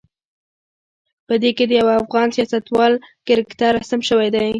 په دې کې د یوه افغان سیاستوال کرکتر رسم شوی دی.